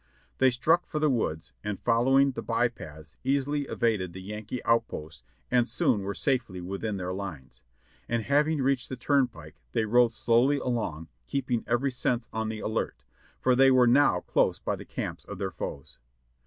They struck for the woods, and following the by paths easily evaded the Yankee outposts and soon were safely within their lines, and having reached the turn pike, they rode slowly along, keeping every sense on the alert, for they were now close by the camps of their foes.